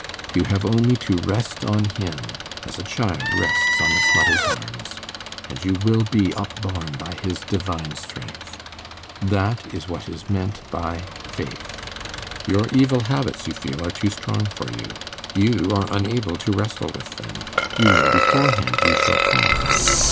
You have only to rest on him as a child rests on its mother's arms, and you will be upborne by his divine strength. That is what is meant by faith. Your evil habits, you feel, are too strong for you; you are unable to wrestle with them; you know beforehand you shall fall.